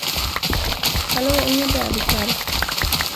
Hallå, inga bebisar!